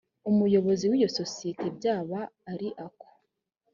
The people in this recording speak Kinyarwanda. umuyobozi w iyo sosiyete byaba ari ako